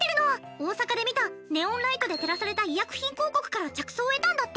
大阪で見たネオンライトで照らされた医薬品広告から着想を得たんだって。